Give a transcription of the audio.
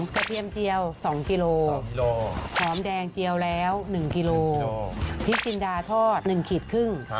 เทียมเจียว๒กิโลหอมแดงเจียวแล้ว๑กิโลพริกจินดาทอด๑ขีดครึ่ง